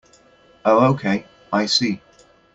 Oh okay, I see.